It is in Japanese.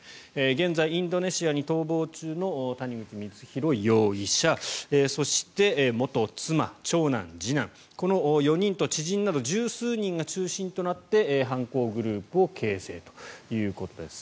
現在、インドネシアに逃亡中の谷口光弘容疑者そして元妻、長男、次男この４人と知人など１０数人が中心となって犯行グループを形成ということです。